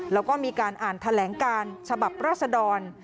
แล้วก็มีการอ่านแถลงการฉบับราษดร